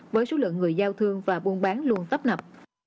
với số lượng người giao thương và buôn bán luôn tấp nập